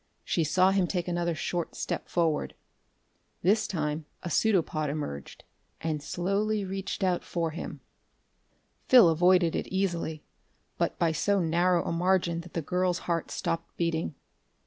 She saw him take another short step forward. This time a pseudopod emerged, and reached slowly out for him. Phil avoided it easily, but by so narrow a margin that the girl's heart stopped beating.